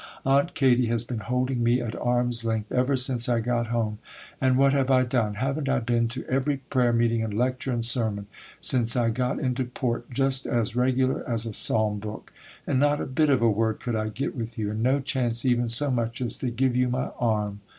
Aunt Katy has been holding me at arm's length ever since I got home; and what have I done? Haven't I been to every prayer meeting and lecture and sermon, since I got into port, just as regular as a psalm book? and not a bit of a word could I get with you, and no chance even so much as to give you my arm.